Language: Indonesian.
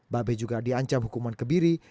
babe juga diancam hukuman kebiri